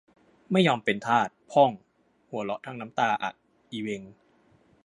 ไม่ยอมเป็นทาส พ่อง หัวเราะทั้งน้ำตาอะ อิเวง